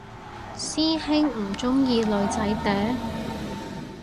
師兄唔鍾意女仔嗲？